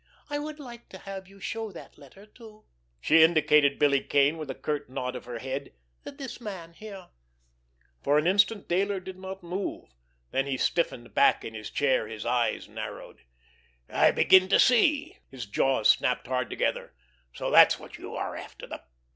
I would like to have you show that letter to"—she indicated Billy Kane with a curt nod of her head—"this man here." For an instant Dayler did not move, then he stiffened back in his chair, his eyes narrowed. "I begin to see!" His jaws snapped hard together. "So that's what you are after!